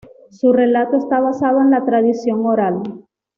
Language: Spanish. Su relato está basado en la tradición oral.